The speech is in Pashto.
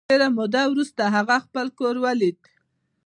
ډېره موده وروسته هغه خپل کور ولید